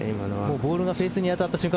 ボールがフェースに当たった瞬間